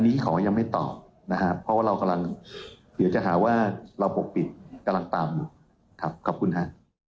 ขอยังไม่ตอบนะครับเพราะว่าเรากำลังเดี๋ยวจะหาว่าเราปกปิดกำลังตามอยู่ครับขอบคุณฮะ